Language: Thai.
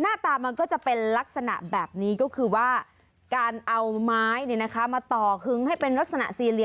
หน้าตามันก็จะเป็นลักษณะแบบนี้ก็คือว่าการเอาไม้มาต่อคึ้งให้เป็นลักษณะสี่เหลี่ยม